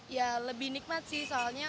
ya lebih nikmat sih soalnya